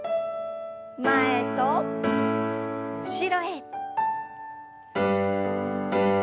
前と後ろへ。